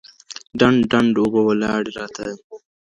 ډنډ ،ډنډ اوبه ولاړي راته